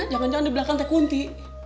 jangan jangan di belakang saya kunti